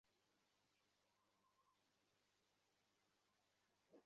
আশাকে চুপ করিয়া থাকিতে দেখিয়া মহেন্দ্র কহিল, তোমার যাইতে ইচ্ছা করে না?